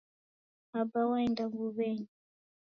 Aba waenda mbuwenyi